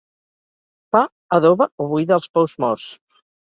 Fa, adoba o buida els pous morts.